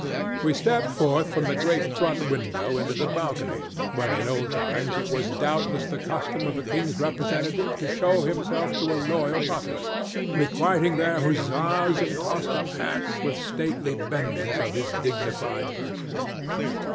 We stepped forth from the great front window into the balcony where in old times it was doubtless the custom of the king's representative to show himself to a loyal populace, requiting their huzzas and tossed up hats with stately bendings of his dignified person.